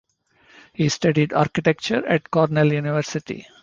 He studied architecture at Cornell University.